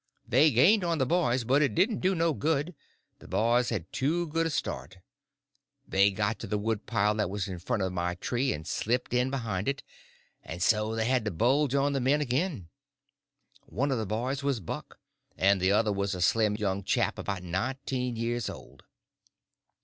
They gained on the boys, but it didn't do no good, the boys had too good a start; they got to the woodpile that was in front of my tree, and slipped in behind it, and so they had the bulge on the men again. One of the boys was Buck, and the other was a slim young chap about nineteen years old.